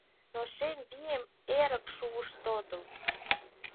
Но шем вийым эрык шуыш тодыл.